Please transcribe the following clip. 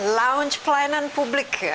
lounge pelayanan publik